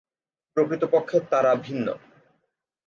প্রকৃতপক্ষে তারা ভিন্ন।